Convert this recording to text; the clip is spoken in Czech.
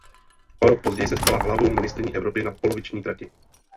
O rok později se stala halovou mistryní Evropy na poloviční trati.